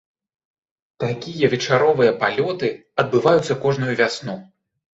Такія вечаровыя палёты адбываюцца кожную вясну.